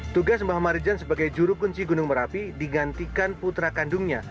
tugas mbah marjan sebagai juru kunci gunung merapi digantikan putra kandungnya